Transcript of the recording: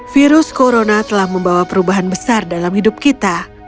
virus corona telah membawa perubahan besar dalam hidup kita